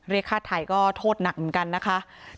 เรียกฆ่าไทยก็โทษหนักเหมือนกันนะคะ